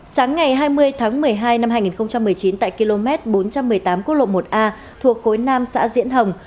sáng ngày hai mươi tháng một mươi hai năm hai nghìn một mươi chín tại km bốn trăm một mươi tám quốc lộ một a thuộc khối năm xã diễn hồng